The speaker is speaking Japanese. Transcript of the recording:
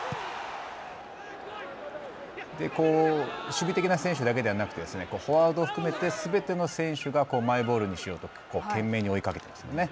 守備的な選手だけではなくてフォワードを含めてすべての選手がマイボールにしようと懸命に追いかけていますよね。